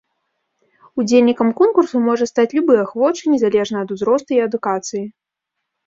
Удзельнікам конкурсу можа стаць любы ахвочы незалежна ад узросту і адукацыі.